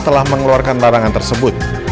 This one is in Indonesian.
setelah mengeluarkan larangan tersebut